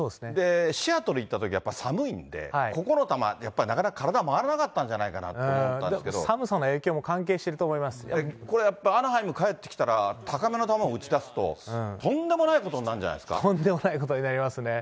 シアトル行ったときはやっぱり寒いんで、ここの球、やっぱり体回らなかったんじゃないかなと思寒さの影響も関係しているとやっぱ、アナハイム帰ってきたら、高めの球を打ち出すと、とんでもないことになるんじゃないとんでもないことになりますね。